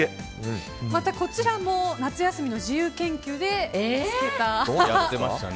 また、こちらも夏休みの自由研究で見つけた。